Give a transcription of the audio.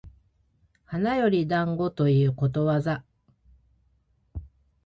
花より団子ということわざ